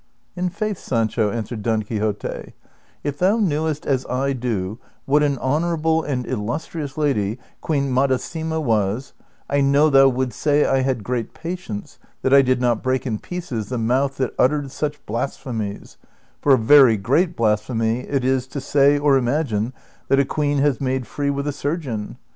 " In faith, Sancho," answered Don Quixote, '< if thou knew est as I do what an honorable and illustrious lady Queen Ma dasima was, I know thou wouldst say I had great patience that I did not break in pieces the mouth that uttered such blas phemies, for a very great blasphemy it is to say or imagine that a queen has made free with a surgeon.